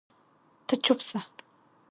ته چپ سه